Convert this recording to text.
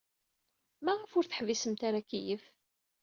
Maɣef ur teḥbisemt ara akeyyef?